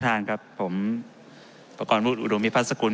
คุณประชาญครับผมปกรณ์บุรุษอุดมิพัฒนกุล